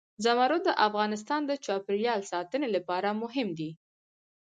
زمرد د افغانستان د چاپیریال ساتنې لپاره مهم دي.